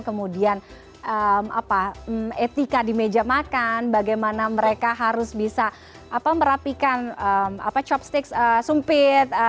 kemudian etika di meja makan bagaimana mereka harus bisa merapikan shopstick sumpit